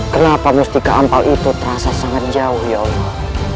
kenapa mustika ampal itu terasa sangat jauh ya allah